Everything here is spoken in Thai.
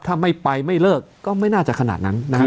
ถ้าไม่ไปไม่เลิกก็ไม่น่าจะขนาดนั้นนะฮะ